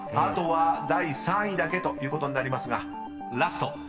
［あとは第３位だけということになりますがラスト